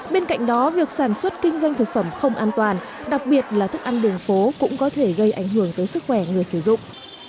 bên cạnh đó việc sản xuất kinh doanh thực phẩm không an toàn đặc biệt là thức ăn đường phố cũng có thể gây ảnh hưởng tới sức khỏe người sử dụng